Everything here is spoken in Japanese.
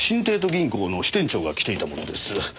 銀行の支店長が着ていたものです。